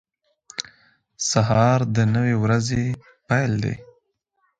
• سهار د نوې ورځې پیل دی.